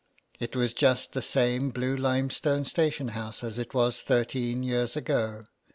It was just the same blue limestone station house as it was thirteen years ago.